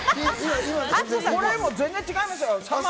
これも全然違いますよ。